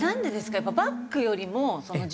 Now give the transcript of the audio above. やっぱりバッグよりも需要が。